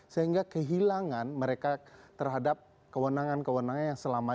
sehingga kehilangan mereka terhadap kewenangan kewenangan yang selama ini